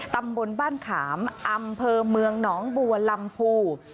ตำบลบ้านขามอำเภอเมืองหนองบัวลำพู